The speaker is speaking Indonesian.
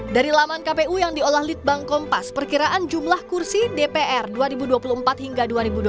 dari laman kpu yang diolah litbang kompas perkiraan jumlah kursi dpr dua ribu dua puluh empat hingga dua ribu dua puluh empat